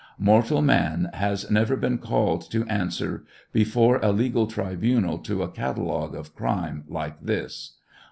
Mortal man has never been called to answer before a legal tribu nal to a catalogue of crime like this.